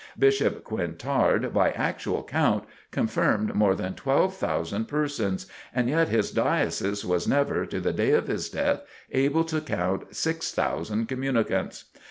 Bishop Quintard, by actual count, confirmed more than 12,000 persons, and yet his Diocese was never, to the day of his death, able to count 6,000 communicants.